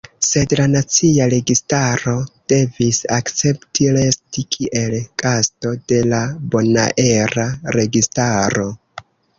Sed la nacia registaro devis akcepti resti kiel gasto de la bonaera registaro.